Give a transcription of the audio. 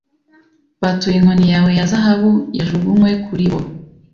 batuye Inkoni yawe ya zahabu yajugunywe kuribo